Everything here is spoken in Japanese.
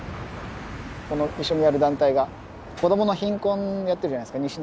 この一緒にやる団体が子供の貧困をやっているじゃないですか。